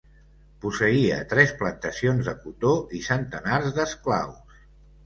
Posseïa tres plantacions de cotó i centenars d'esclaus.